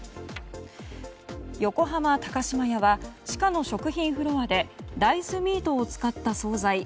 横浜高島屋は地下の食品フロアで大豆ミートを使った総菜